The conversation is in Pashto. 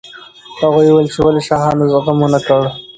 هغوی وویل چې ولې شاهانو غم ونه کړ.